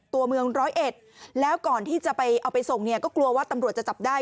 ตัวเมือง๑๐๑แล้วก่อนที่จะเอาไปส่งก็กลัวว่าตำรวจจะจับได้